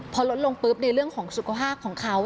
พอลดลงปุ๊บในเรื่องของสุขภาพของเขา